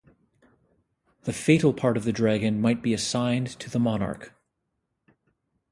The fatal part of the dragon might be assigned to the monarch.